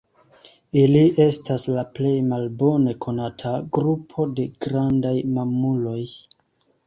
Ili estas la plej malbone konata grupo de grandaj mamuloj.